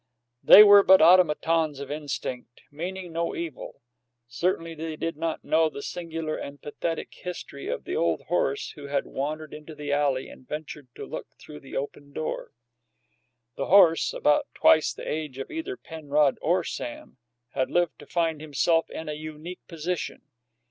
They were but automatons of instinct,[21 2] meaning no evil. Certainly they did not know the singular and pathetic history of the old horse who had wandered into the alley and ventured to look through the open door. This horse, about twice the age of either Penrod or Sam, had lived to find himself in a unique position.